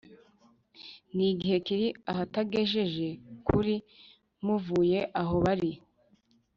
nigihe kiri Ahatagejeje kuri m uvuye aho bari